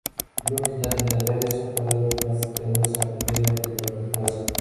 Luke y Natalie son cada vez más cercanos a medida que la película avanza.